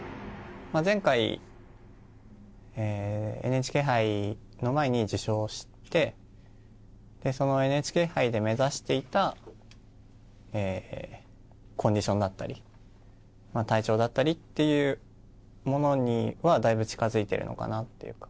前回、ＮＨＫ杯の前に負傷してその間にＮＨＫ杯で目指していたコンディションであったり体調だったりっていうものには近付いているのかな。